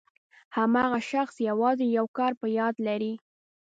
هماغه شخص یوازې یو کار په یاد لري.